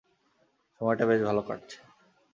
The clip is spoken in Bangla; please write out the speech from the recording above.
সময়টা বেশ ভালো কাটছে।